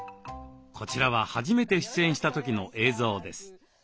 こちらは初めて出演した時の映像です。